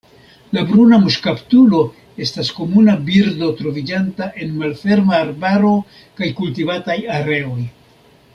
La Bruna muŝkaptulo estas komuna birdo troviĝanta en malferma arbaro kaj kultivataj areoj.